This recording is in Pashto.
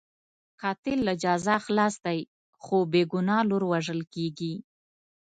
قاتل له جزا خلاص دی، خو بې ګناه لور وژل کېږي.